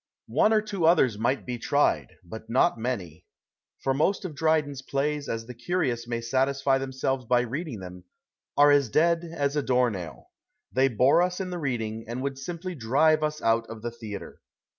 One or two others might be tried, but not many. For most of Drj'den "s plays, as tJK" curious may satisfy themselves by reading them, are as dead as a doornail. They bore us in the reading, and would simply drive us out of the theatre.